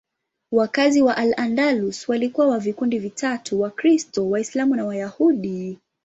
Wakazi wa Al-Andalus walikuwa wa vikundi vitatu: Wakristo, Waislamu na Wayahudi.